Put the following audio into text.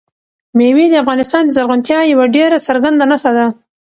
مېوې د افغانستان د زرغونتیا یوه ډېره څرګنده نښه ده.